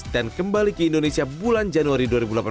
dan kembali ke indonesia bulan januari dua ribu delapan belas